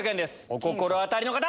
お心当たりの方！